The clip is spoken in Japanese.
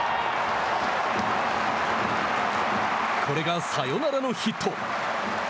これがサヨナラのヒット。